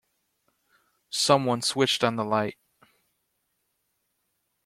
Someone switched on the light.